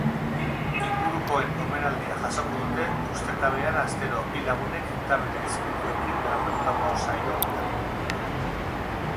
Ingurukoen omenaldia jasoko dute ustekabean astero bi lagunek kamera iztukuekin grabatutako saio honetan.